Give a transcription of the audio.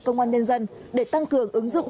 công an nhân dân để tăng cường ứng dụng